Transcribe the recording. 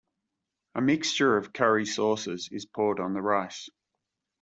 A mixture of curry sauces is poured on the rice.